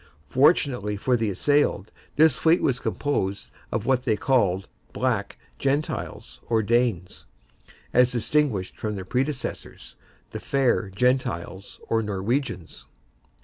Fortunately for the assailed, this fleet was composed of what they called Black Gentiles, or Danes, as distinguished from their predecessors, the Fair Gentiles, or Norwegians.